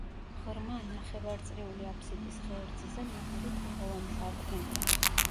ღრმა ნახევარწრიული აფსიდის ღერძზე მაღალი თაღოვანი სარკმელია.